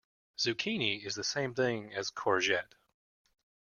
Zucchini is the same thing as courgette